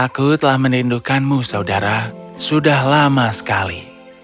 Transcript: aku telah merindukanmu saudara sudah lama sekali